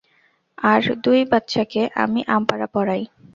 তার দুই বাচ্চাকে আমি আমপারা পড়াই।